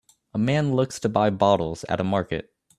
A man looks to buy bottles at a market